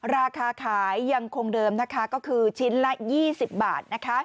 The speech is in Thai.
ราคาขายังคงเดิมก็คือชิ้นละ๒๐บาท